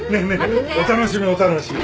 お楽しみお楽しみ。